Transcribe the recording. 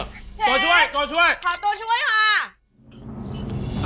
บิบเทอร์แล้วก่อน